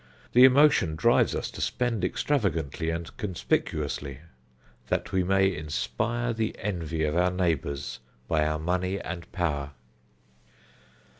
The emotion drives us to spend extravagantly and conspicuously, that we may inspire the envy of our neighbors by our money and power.